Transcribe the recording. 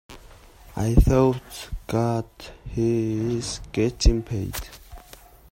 I thought, 'God, he is getting paid.